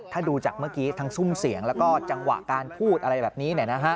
ถ้าดูจากเมื่อกี้ทั้งซุ่มเสียงแล้วก็จังหวะการพูดอะไรแบบนี้